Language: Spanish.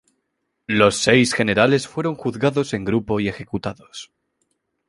Los seis generales fueron juzgados en grupo y ejecutados.